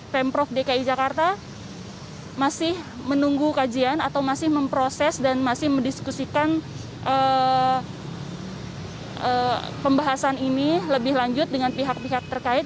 pemprov dki jakarta masih menunggu kajian atau masih memproses dan masih mendiskusikan pembahasan ini lebih lanjut dengan pihak pihak terkait